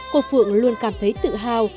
cô phượng luôn cảm thấy tự hào